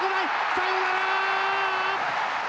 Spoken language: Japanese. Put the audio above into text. サヨナラ！